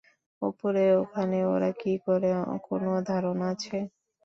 উপরে ওখানে ওরা কী করে কোনো ধারণা আছে?